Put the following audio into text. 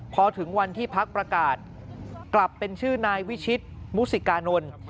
พอถึงวันที่พักประกาศกลับเป็นชื่อนายวิชิตมุสิกานนท์